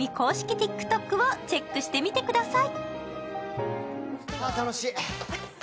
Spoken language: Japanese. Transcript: ＴｉｋＴｏｋをチェックしてみてください。